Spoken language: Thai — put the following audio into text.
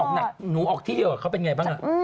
ออกหน่อยหนูออกที่เดียวกับงานเขาเป็นอย่างไรบ้าง